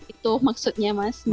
itu maksudnya mas